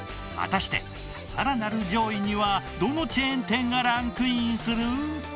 果たしてさらなる上位にはどのチェーン店がランクインする？